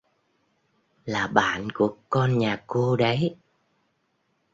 Là bạn của con nhà cô đấy